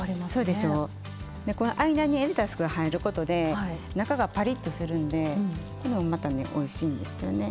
で間にレタスが入ることで中がパリッとするんでこれもまたねおいしいんですよね。